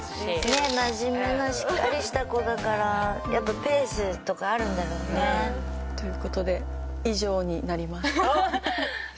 ねっ真面目なしっかりした子だからやっぱペースとかあるんだろうね。という事で以上になります。